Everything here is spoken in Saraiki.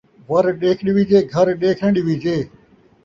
ور ݙیکھ ݙیویجے ، گھر ݙیکھ ناں ݙویجے